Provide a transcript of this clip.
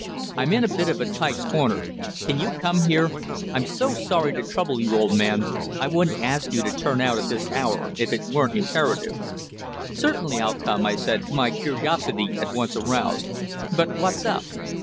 "I'm in a bit of a tight corner. Can you come here? I'm so sorry to trouble you, old man. I wouldn't ask you to turn out at this hour if it weren't imperative." "Certainly I'll come," I said, my curiosity at once aroused. "But what's up?"